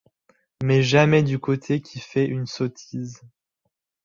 Mais jamais du côté qui fait une sottise